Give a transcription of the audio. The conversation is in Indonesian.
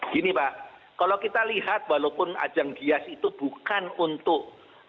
gini pak kalau kita lihat walaupun ajang gias itu bukan untuk